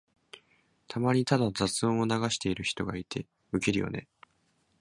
たまにただ雑音を流してる人がいてウケるよね。